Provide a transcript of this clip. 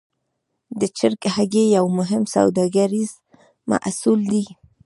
د چرګ هګۍ یو مهم سوداګریز محصول دی.